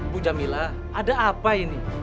bu jamila ada apa ini